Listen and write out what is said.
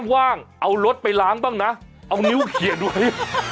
ว่างเอารถไปล้างบ้างนะเอานิ้วเขียนไว้